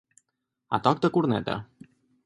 A toc de corneta.